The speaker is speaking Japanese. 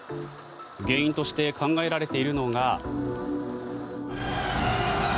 原因として考えられているのが。